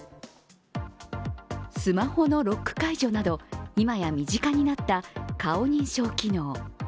スマホのロック解除など今や身近になった顔認証機能。